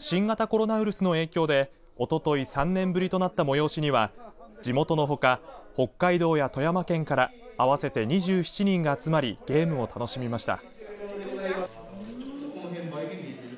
新型コロナウイルスの影響でおととい３年ぶりとなった催しには地元のほか北海道や富山県から合わせて２７人が集まりゲームを楽しみました。